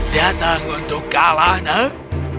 datang untuk kalah nak